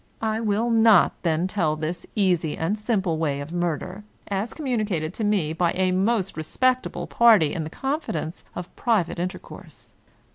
I will not then tell this easy and simple way of murder, as communicated to me by a most respectable party in the confidence of private in tercourse.